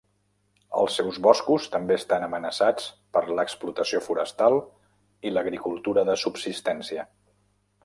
Els seus boscos també estan amenaçats per l'explotació forestal i l'agricultura de subsistència.